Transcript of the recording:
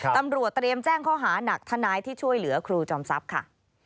ตำรวจเตรียมแจ้งข้อหานักทนายที่ช่วยเหลือครูจอมทรัพย์ค่ะ